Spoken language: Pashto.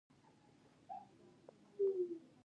استاد بینوا د ستونزو ریښې پېژندلي.